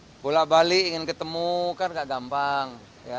jadi bolak balik ingin ketemu kan gak gampang